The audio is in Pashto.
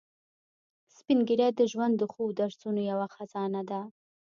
سپین ږیری د ژوند د ښو درسونو یو خزانه دي